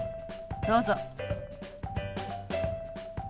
どうぞ。